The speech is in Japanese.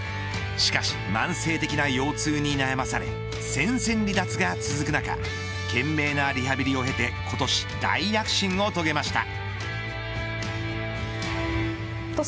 しかし慢性的な腰痛に悩まされ戦線離脱が続く中懸命なリハビリを経て今年大躍進を遂げました。